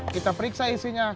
kita periksa isinya